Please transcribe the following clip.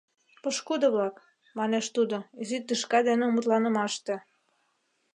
— Пошкудо-влак, — манеш тудо изи тӱшка дене мутланымаште.